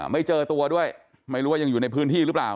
ไม่เจอตัวด้วยไม่รู้ว่ายังอยู่ในพื้นที่หรือเปล่า